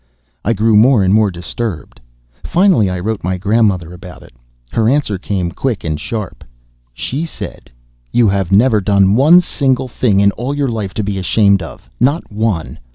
I grew more and more disturbed. Finally I wrote my grandmother about it. Her answer came quick and sharp. She said: You have never done one single thing in all your life to be ashamed of not one.